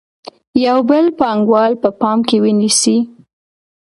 یو بل پانګوال په پام کې ونیسئ